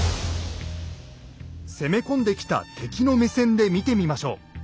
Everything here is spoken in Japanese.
攻め込んできた敵の目線で見てみましょう。